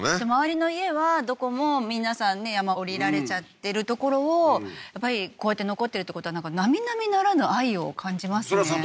周りの家はどこも皆さんね山降りられちゃってるところをやっぱりこうやって残ってるってことはなみなみならぬ愛を感じますね